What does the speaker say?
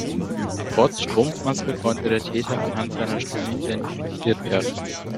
Trotz Strumpfmaske konnte der Täter anhand seiner Stimme identifiziert werden.